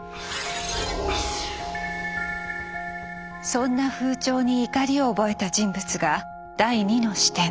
そんな風潮に怒りを覚えた人物が第２の視点。